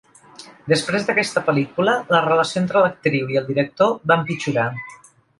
Després d'aquesta pel·lícula la relació entre l'actriu i el director va empitjorar.